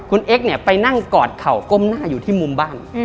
คุณเอ็กซเนี่ยไปนั่งกอดเข่าก้มหน้าอยู่ที่มุมบ้าน